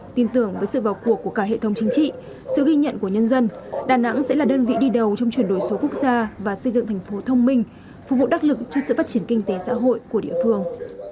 tin tưởng với sự vào cuộc của cả hệ thống chính trị sự ghi nhận của nhân dân đà nẵng sẽ là đơn vị đi đầu trong chuyển đổi số quốc gia và xây dựng thành phố thông minh phục vụ đắc lực cho sự phát triển kinh tế xã hội của địa phương